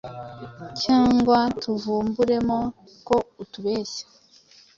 cyangwa tuvumburemo ko utubeshya.